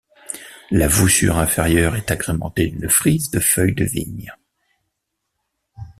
La voussure inférieure est agrémentée d'une frise de feuilles de vigne.